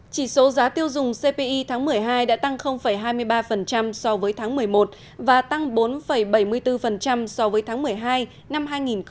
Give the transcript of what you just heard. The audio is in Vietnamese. chỉ số giá tiêu dùng cpi tháng một mươi hai đã tăng hai mươi ba so với tháng một mươi một và tăng bốn bảy mươi bốn so với tháng một mươi hai năm hai nghìn một mươi chín